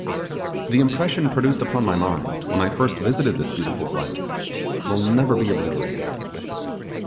The impression produced upon the mind, when I first visited this beautiful glen, will never be obliterated.